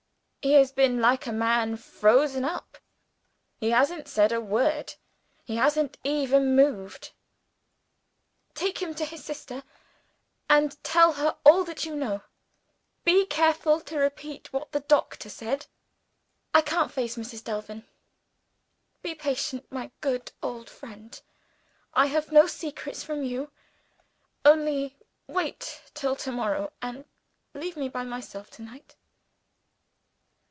"He has been like a man frozen up; he hasn't said a word; he hasn't even moved." "Take him to his sister; and tell her all that you know. Be careful to repeat what the doctor said. I can't face Mrs. Delvin. Be patient, my good old friend; I have no secrets from you. Only wait till to morrow; and leave me by myself to night."